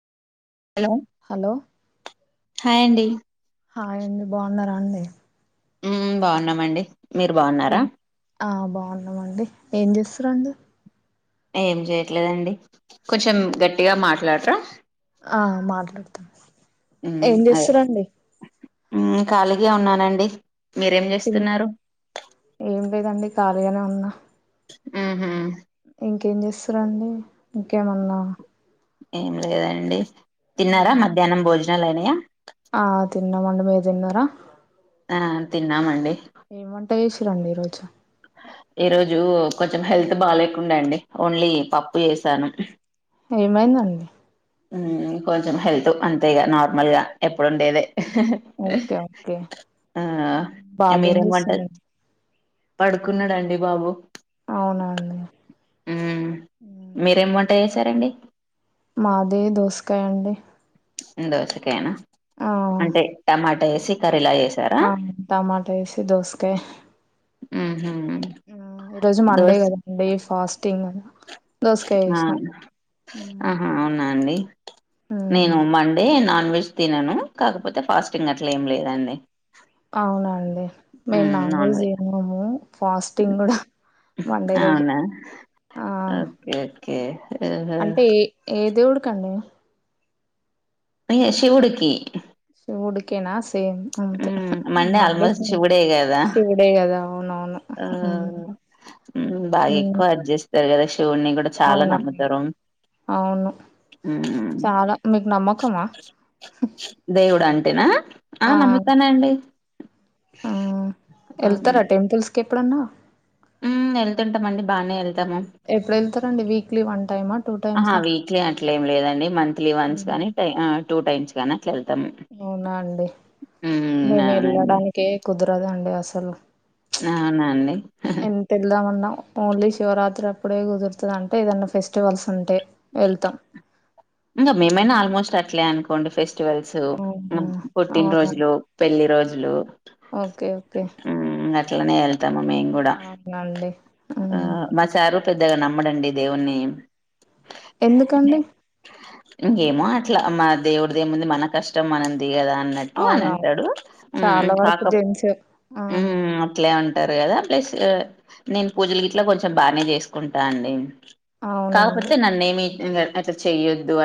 Hello hello hi అండి hi అండి బాగున్నారా అండి ఉమ్ బాగున్నామండి మీరు బాగున్నారా ఏం ఆ బాగున్నామండి ఏం చేస్తార్రు అండి ఏం చేయట్లేదండి కొంచెం గట్టిగా మాట్లాడరా ఆ మాట్లాడతా ఉమ్ అదే ఖాళీ గా ఉన్నానండి మీరేం తిన్ చేస్తున్నారు ఏం లేదండి ఖాళీగానే ఉన్నా ఉహు ఇంకేం చేస్తారుండి ఇంకేమన్నా ఏం లేదండి తిన్నారా మధ్యాహ్నం భోజనాలు అయినయ ఆ తిన్నామండి మీరు తిన్నారా ఆ తిన్నామండి ఏం వంట చేసిరండి ఈరోజు ఈ రోజు కొంచెం హెల్త్ బాలేకుండే అండి ఓన్లీ పప్పు చేసాను ఏమైందండి కొంచెం హెల్త్ అంతే ఇగా నార్మల్ గా ఎప్పుడుండేదే ఓకే ఓకే ఆ బాబు ఏం మీరేం వంట చేస్తుండండి పడుకున్నాడు అండి బాబు అవునా అండి ఉమ్ ఉమ్. మీరేం వంట చేసారండి మాది దోసకాయ అండి దోసకాయనా ఆ అంటే టమాటా వేసి కర్రీలాగా చేసి ఆ టమాటా వేసి దోసకాయా హుహూ ఈరోజు మండే కదా అండి ఫాస్టింగ్ దోసకాయ ఆ చేసినాం మ్మ్ ఆహా అవునా అండి మ్మ్. నేను మండే నాన్ వెజ్ తినను కాకపోతే ఫాస్టింగ్ అట్లా ఏం లేదండి అవునండి మేము నాన్ వెజ్ తినము ఫాస్టింగ్ కూడా మండే రోజు అవునా ఆ ఓకే ఓకే ఆహా అంటే ఏ ఏ దేవుడికండి షివుడుకి శివుడుకేనా సేమ్ అంతే ఉమ్ మండే ఆల్మోస్ట్ శివుడే కదా శివుడే గదా అవునవును ఆ మ్మ్ మ్మ్ బాగెక్కువ అడ్ చేస్తారు గదా శివుణ్ణి గూడా చాలా అవునవును నమ్ముతరు అవును చాలా మీకు నమ్మకమా దేవుడంటేనా ఆ నమ్ముతానండి వెళ్తరా టెంపుల్స్ కెప్పుడన్నా మ్మ్ వెళ్తుంటమండి బానే ఎళ్తము ఎప్పుడెళ్తరండి వీక్లీ వన్ టైమా టూ టైమ్సా వీక్లీ అట్లేం లేదండి మంత్లీ వన్స్ హ్మ్. గానీ టై ఆ టూ టైమ్స్ గానీ అట్లెళ్తం అవునా అండి అవునండి. మేమెళ్ళడానికే కుదరదండి అసలు అవునాండి ఎంత వెళ్దామన్నా ఓన్లీ శివరాత్రి అప్పుడే కుదురుతది అంటే ఏదన్నా ఫెస్టివల్స్ ఉంటే వెళ్తాం ఇంగ మేమైనా ఆల్మోస్ట్ అట్లే అనుకోండి ఫెస్టివల్సు అవునా పుట్టిన్‌రోజులు అవునండి పెళ్లి రోజులు ఓకే ఓకే మ్మ్ అట్లనే వెళ్తాము మేం గూడా అవునండి ఆ హ్మ్. మా చారు పెద్దగా నమ్మడండి దేవున్ని ఎందుకండి ఇంగేమో అట్ల మా దేవుడిదేముంది మన కష్టం మనది గదా అన్న అవునవును అనంటాడు మ్మ్ చాలా వరకు కాక జెంట్స్ ఆ మ్మ్ అట్లే టరు కదా ప్లస్ నేను పూజలు గిట్లా కొంచెం బానే చేసుకుంటా అండి కాకపోతే అవునండి నన్నేమి ఇంగ అట్ల చెయ్యొద్దు